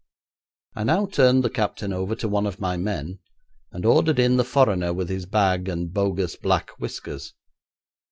I now turned the captain over to one of my men, and ordered in the foreigner with his bag and bogus black whiskers.